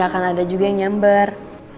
akan ada juga yang nyamber